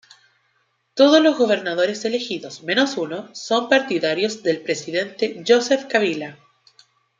Todos los gobernadores elegidos, menos uno, son partidarios del presidente Joseph Kabila.